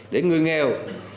để người nghèo